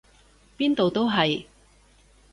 邊度都係！